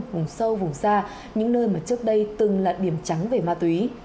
vùng sâu vùng xa những nơi mà trước đây từng là điểm trắng về ma túy